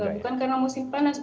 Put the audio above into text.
bukan karena musim panas